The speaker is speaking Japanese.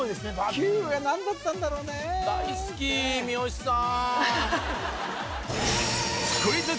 ９位は何だったんだろうね大好き三好さん